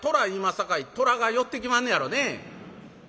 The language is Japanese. さかいトラが寄ってきまんのやろね」。